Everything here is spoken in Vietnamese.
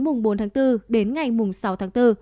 mùng bốn bốn đến ngày mùng sáu bốn